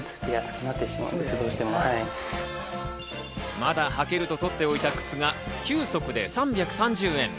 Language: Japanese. まだ履けるととっておいた靴が９足で３３０円。